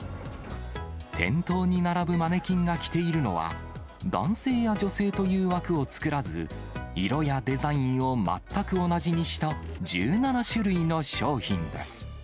店頭に並ぶマネキンが着ているのは、男性や女性という枠を作らず、色やデザインを全く同じにした１７種類の商品です。